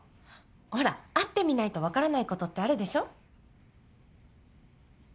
ほら会ってみないと分からないことってあるでしょ。